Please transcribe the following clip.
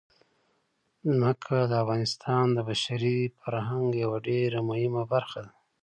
ځمکه د افغانستان د بشري فرهنګ یوه ډېره مهمه برخه ده.